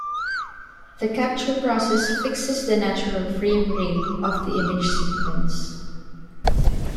The capture process fixes the "natural" frame rate of the image sequence.